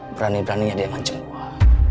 berani beraninya dia manjem gua